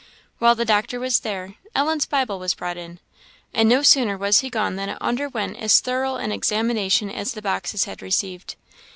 While the doctor was there, Ellen's Bible was brought in; and no sooner was he gone than it underwent as thorough an examination as the boxes had received.